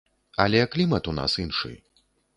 Але клімат у нас іншы.